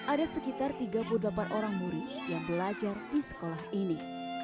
ada sekitar tiga puluh delapan orang murid yang belajar di sekolah ini